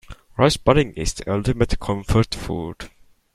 Rice pudding is the ultimate comfort food.